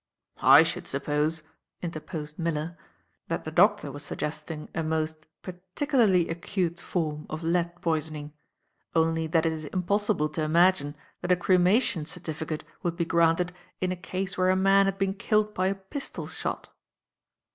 "I should suppose," interposed Miller, "that the doctor was suggesting a most particularly acute form of lead poisoning, only that it is impossible to imagine that a cremation certificate would be granted in a case where a man had been killed by a pistol shot."